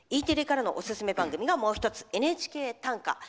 Ｅテレからのおすすめ番組がもう１つ「ＮＨＫ短歌」。